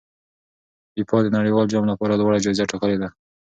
فیفا د نړیوال جام لپاره لوړه جایزه ټاکلې ده.